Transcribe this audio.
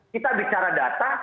kita bicara data